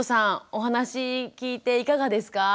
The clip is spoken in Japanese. お話聞いていかがですか？